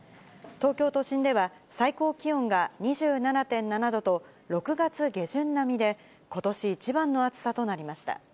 東京都心では、最高気温が２７．７度と６月下旬並みで、ことし一番の暑さとなりました。